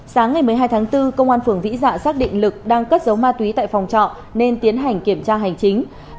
sáng ngày một mươi hai tháng bốn công an phường vĩ dạ xác định lực đang cất giấu ma túy tại phòng trọ nên tiến hành kiểm tra hành chính